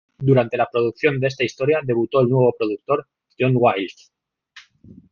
Durante la producción de esta historia debutó el nuevo productor, John Wiles.